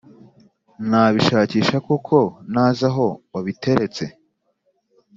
ntabishakisha koko ntazi aho wabiteretse.